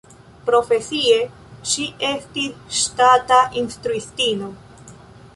Profesie, ŝi estis ŝtata instruistino.